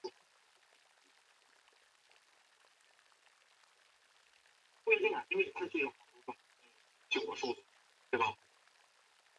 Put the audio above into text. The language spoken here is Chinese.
该热带低气压保持向西北方向的路径。